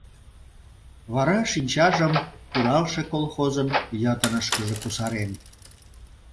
Вара шинчажым «Куралше» колхозын йытынышкыже кусарен.